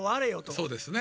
そうですね。